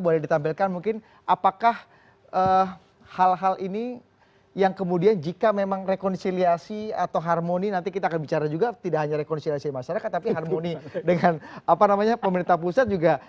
boleh ditampilkan mungkin apakah hal hal ini yang kemudian jika memang rekonsiliasi atau harmoni nanti kita akan bicara juga tidak hanya rekonsiliasi masyarakat tapi harmoni dengan pemerintah pusat juga